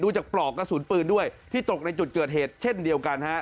จากปลอกกระสุนปืนด้วยที่ตกในจุดเกิดเหตุเช่นเดียวกันฮะ